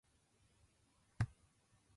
百日間で八十万人が死んだ。